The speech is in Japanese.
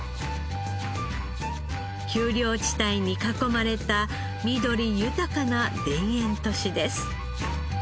丘陵地帯に囲まれた緑豊かな田園都市です。